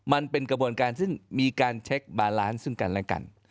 มันเป็นกระบวนการซึ่งมีการเช็คบาลานซ์ซึ่งกันและกัน